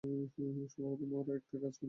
সর্বপ্রথমে ওরা এই কাজটাই করে।